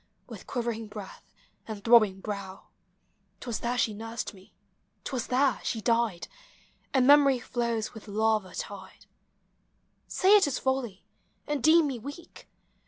With quivering breath and throbbing brow : 'T was there she nursed me, 't was there she died, And memory flows with lava tide. Say it is folly, and deem mo weak.